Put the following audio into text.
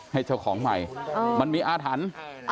ให้เจ้าของใหม่มันมีอาถรรพ์